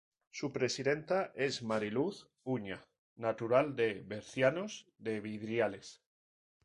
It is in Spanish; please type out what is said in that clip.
Su presidenta es Mari Luz Uña, natural de Bercianos de Vidriales.